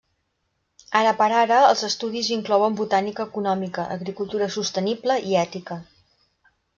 Ara per ara, els estudis inclouen botànica econòmica, agricultura sostenible i ètica.